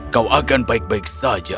kau akan baik baik saja